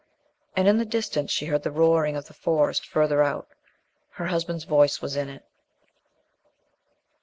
And in the distance she heard the roaring of the Forest further out. Her husband's voice was in it.